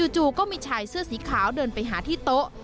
จู่ก็มีชายเสื้อสีขาวเดินไปหาที่โต๊ะ